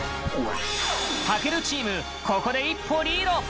健チーム、ここで一歩リード！